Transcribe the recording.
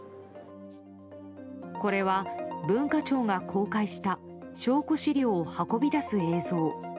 これは、文化庁が公開した証拠資料を運び出す映像。